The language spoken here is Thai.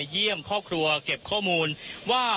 เยี่ยมครอบครัวเก็บข้อมูลว่า